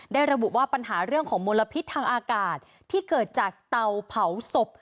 ระบุว่าปัญหาเรื่องของมลพิษทางอากาศที่เกิดจากเตาเผาศพ